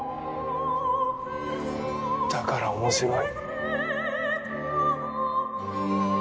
だから面白い。